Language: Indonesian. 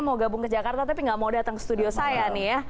mau gabung ke jakarta tapi nggak mau datang ke studio saya nih ya